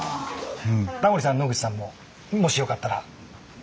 タモリさん野口さんももしよかったら体験をして頂いて。